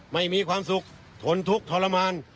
ไม่มีความสุขทนทุกข์ทรมาน